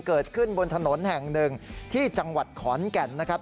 เกิดขึ้นบนถนนแห่งหนึ่งที่จังหวัดขอนแก่นนะครับ